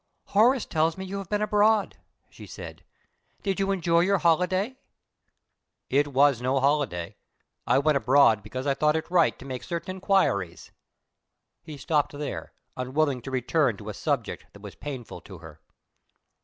"Horace tells me you have been abroad," she said. "Did you enjoy your holiday?" "It was no holiday. I went abroad because I thought it right to make certain inquiries " He stopped there, unwilling to return to a subject that was painful to her.